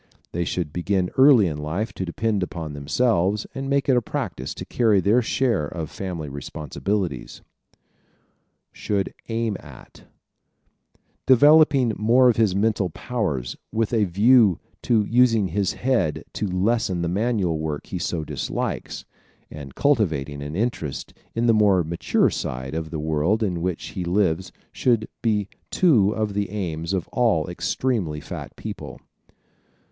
They should begin early in life to depend upon themselves and make it a practice to carry their share of family responsibilities. Should Aim At ¶ Developing more of his mental powers with a view to using his head to lessen the manual work he so dislikes, and cultivating an interest in the more mature side of the world in which he lives should be two of the aims of all extremely fat people.